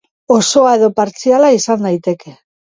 Osoa edo partziala izan daiteke.